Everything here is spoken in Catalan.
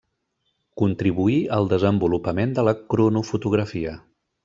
Contribuí al desenvolupament de la cronofotografia.